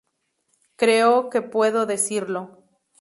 Creo que puedo decirlo.